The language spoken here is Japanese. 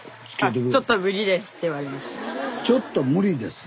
「ちょっと無理です」？